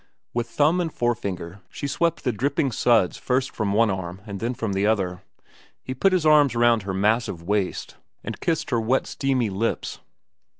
With thumb and forefinger she swept the dripping suds first from one arm and then from the other. He put his arms round her massive waist and kissed her wet steamy lips.